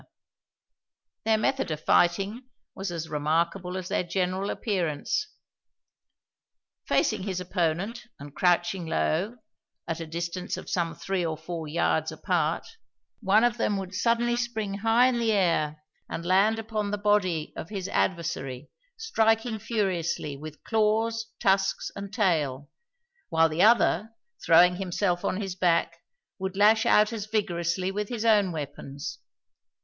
Their method of fighting was as remarkable as their general appearance. Facing his opponent and crouching low, at a distance of some three or four yards apart, one of them would suddenly spring high in the air and land upon the body of his adversary, striking furiously with claws, tusks, and tail, while the other, throwing himself on his back, would lash out as vigorously with his own weapons.